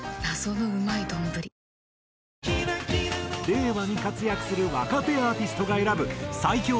令和に活躍する若手アーティストが選ぶ最強